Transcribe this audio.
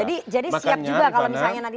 jadi siap juga kalau misalnya nanti